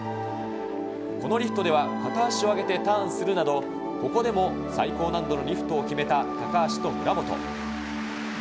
このリフトでは片足を上げてターンするなど、ここでも最高難度のリフトを決めた高橋と村元。